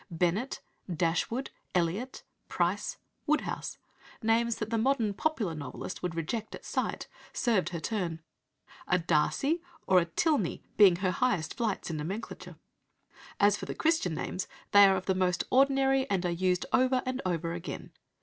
Bennet, Dashwood, Elliot, Price, Woodhouse names that the modern "popular" novelist would reject at sight, served her turn, a Darcy or a Tilney being her highest flights in nomenclature. As for the Christian names, they are of the most ordinary and are used over and over again.